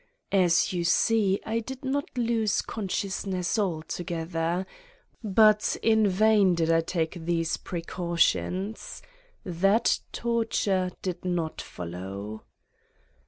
As you see, I did not lose consciousness altogether! But in vain did I take these precautions: that torture did not follow.